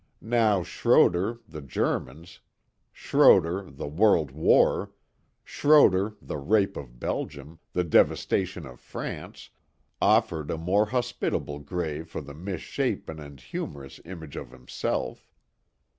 Now Schroder, the Germans, Schroder, the World War, Schroder, the rape of Belgium, the devastation of France, offered a more hospitable grave for the misshapen and humorous image of himself.